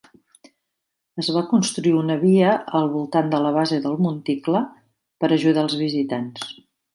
Es va construir una via al voltant de la base del monticle per ajudar els visitants.